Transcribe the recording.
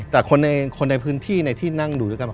แต่คนในพื้นที่ในที่นั่งดูด้วยกัน